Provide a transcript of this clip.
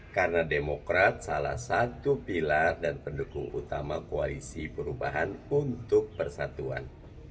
karena demokrat salah satu pilar dan pendukung utama koalisi perubahan untuk persatuan